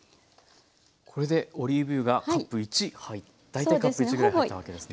これでオリーブ油がカップ１大体カップ１ぐらい入ったわけですね。